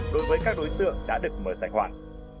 đối với các đối tượng đã được mở tài khoản